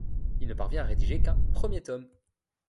Il ne parvient à rédiger qu'un premier tome.